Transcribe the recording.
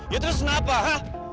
ya terus kenapa ha